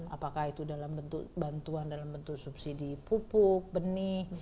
apakah itu dalam bentuk bantuan dalam bentuk subsidi pupuk benih